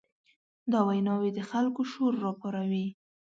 دا ویناوې د خلکو شور راپاروي.